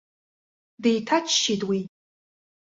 Деиҭааччеит уи.